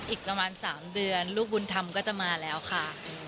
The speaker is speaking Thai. อีกประมาณ๓เดือนลูกบุญธรรมก็จะมาแล้วค่ะ